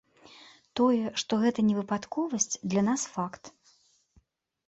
Тое, што гэта не выпадковасць для нас факт!